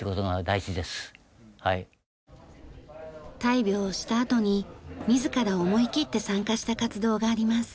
大病をしたあとに自ら思いきって参加した活動があります。